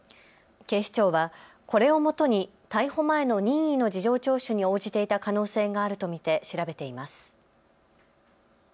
警視庁はこれをもとに逮捕前の任意の事情聴取に応じていた可能性があると見て調べています。